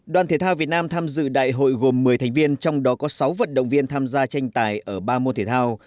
đoàn thể thao việt nam tham dự đại hội gồm một mươi thành viên trong đó có sáu vận động viên tham gia tranh tài ở ba môn thể thao